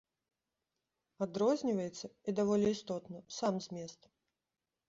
Адрозніваецца, і даволі істотна, сам змест.